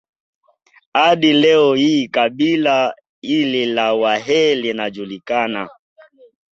Hadi leo hii kabila hili la Wahee linajulikana